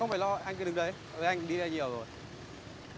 không phải lo anh cứ đứng đấy với anh đi là nhiều rồi